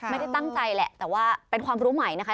ไม่ได้ตั้งใจแหละแต่ว่าเป็นความรู้ใหม่นะคะ